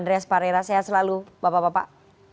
terima kasih bang andreas parera sehat selalu bapak bapak